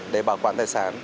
để bảo quản tài sản